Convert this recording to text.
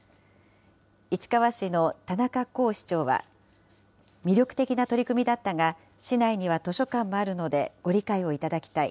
市川市の田中甲市長は、魅力的な取り組みだったが、市内には図書館もあるのでご理解をいただきたい。